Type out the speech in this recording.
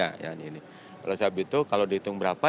oleh sebab itu kalau dihitung berapa